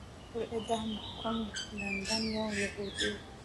پر اعدام محکوم لندن یو یهودی و.